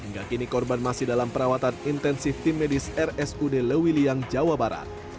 hingga kini korban masih dalam perawatan intensif tim medis rsud lewiliang jawa barat